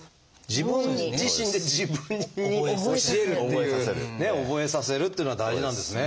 自分自身で自分に教えるっていうね覚えさせるっていうのが大事なんですね。